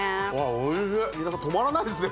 おいしい皆さん止まらないですね